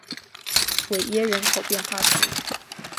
韦耶人口变化图示